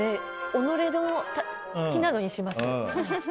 己の好きなのにします。